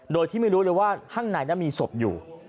โดยที่ไม่รู้เลยว่าข้างในนั้นมีศพอยู่